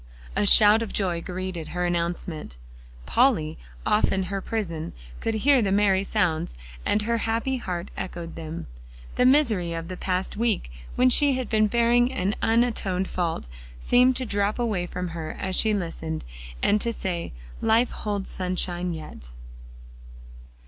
A shout of joy greeted her announcement. Polly, off in her prison, could hear the merry sounds, and her happy heart echoed them. The misery of the past week, when she had been bearing an unatoned fault, seemed to drop away from her as she listened, and to say, "Life holds sunshine yet."